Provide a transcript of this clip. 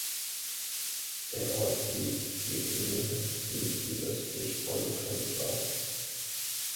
Der Ort liegt vier Kilometer südsüdöstlich von Prenzlau.